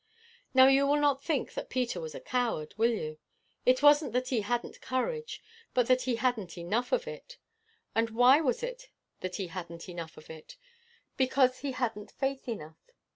"Now, you will not think that Peter was a coward, will you? It wasn't that he hadn't courage, but that he hadn't enough of it. And why was it that he hadn't enough of it? Because he hadn't faith enough.